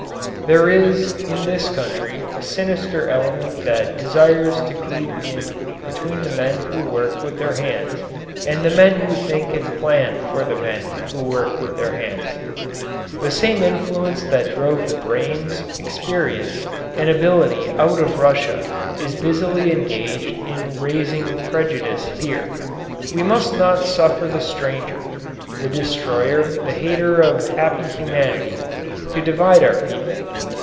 There is in this country a sinister element that desires to creep in between the men who work with their hands and the men who think and plan for the men who work with their hands. The same influence that drove the brains, experience, and ability out of Russia is busily engaged in raising prejudice here. We must not suffer the stranger, the destroyer, the hater of happy humanity, to divide our people.